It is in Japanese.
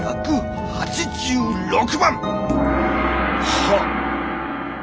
はっ。